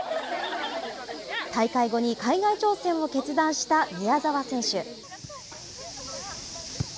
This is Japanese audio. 大会後に海外挑戦を決断した宮澤選手。